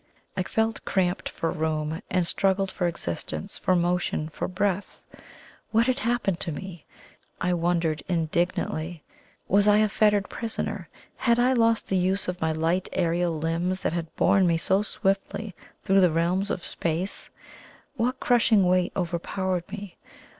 I felt cramped for room, and struggled for existence, for motion, for breath. What had happened to me? I wondered indignantly. Was I a fettered prisoner? had I lost the use of my light aerial limbs that had borne me so swiftly through the realms of space? What crushing weight overpowered me?